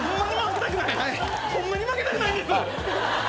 ホンマに負けたくないんです！